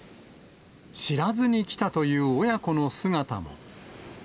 知らずに来たという親子の姿も。